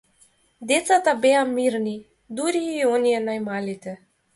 Децата беа мирни, дури и оние најмалите.